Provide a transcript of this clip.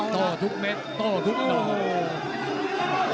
โต๊ะทุกเม็ดโต๊ะทุกเม็ด